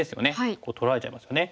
こう取られちゃいますよね。